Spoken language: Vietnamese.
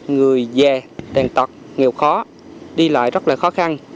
người già tàn tật nghèo khó đi lại rất là khó khăn